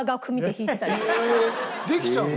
できちゃうの？